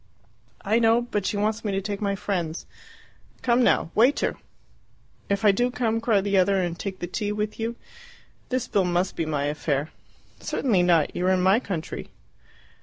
"I know. But she wants me to take my friends. Come now! Waiter!" "If I do come," cried the other, "and take tea with you, this bill must be my affair." "Certainly not; you are in my country!"